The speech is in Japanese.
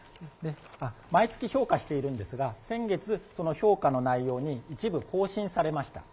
毎月評価しているんですが、先月、その評価の内容に一部更新されました。